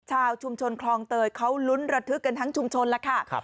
ชาวชุมชนคลองเตยเขาลุ้นระทึกกันทั้งชุมชนแล้วค่ะ